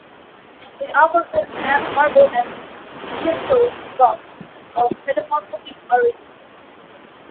It occurs in marble and schistose rocks of metamorphic origin.